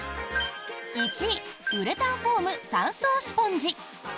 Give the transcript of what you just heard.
１位ウレタンフォーム三層スポンジ。